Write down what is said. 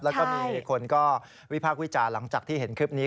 แล้วก็มีคนก็วิพากษ์วิจารณ์หลังจากที่เห็นคลิปนี้